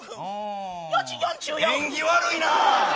縁起悪いな。